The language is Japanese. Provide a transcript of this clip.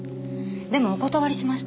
でもお断りしました。